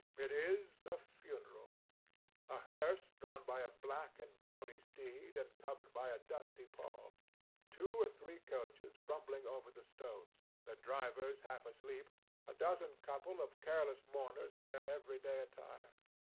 It is a funeral—a hearse drawn by a black and bony steed and covered by a dusty pall, two or three coaches rumbling over the stones, their drivers half asleep, a dozen couple of careless mourners in their every day attire.